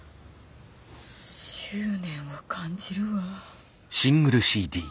執念を感じるわ。